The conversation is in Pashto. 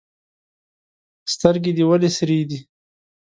سترګي دي ولي سرې دي؟